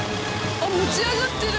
あっ持ち上がってる！